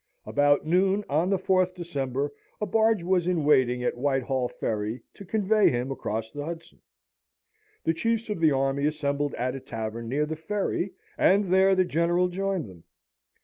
About noon, on the 4th December, a barge was in waiting at Whitehall Ferry to convey him across the Hudson. The chiefs of the army assembled at a tavern near the ferry, and there the General joined them.